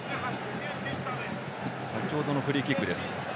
先ほどのフリーキック。